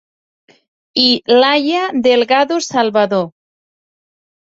I Laia Delgado Salvador.